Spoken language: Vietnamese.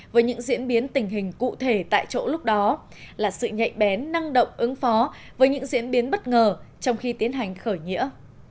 với những diễn biến tình hình cụ thể tại chỗ lúc đó là sự nhạy bén năng động ứng phó với những diễn biến bất ngờ trong khi tiến hành khởi nghĩa